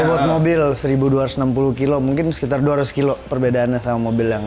buat mobil seribu dua ratus enam puluh kilo mungkin sekitar dua ratus kilo perbedaannya sama mobil yang